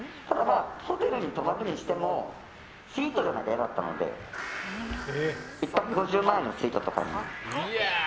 ホテルに泊まるにしてもスイートじゃなきゃ嫌だったので１泊５０万円のスイートとかに。